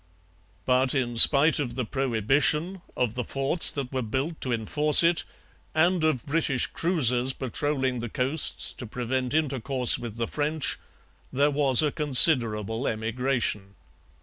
But in spite of the prohibition, of the forts that were built to enforce it, and of British cruisers patrolling the coasts to prevent intercourse with the French, there was a considerable emigration.